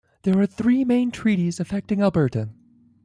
There are three main treaties affecting Alberta.